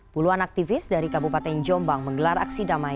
puluhan aktivis dari kabupaten jombang menggelar aksi damai